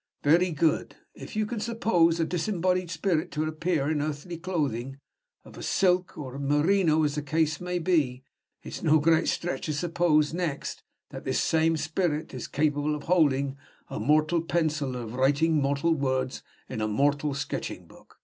Very good. If you can suppose a disembodied spirit to appear in earthly clothing of silk or merino, as the case may be it's no great stretch to suppose, next, that this same spirit is capable of holding a mortal pencil, and of writing mortal words in a mortal sketching book.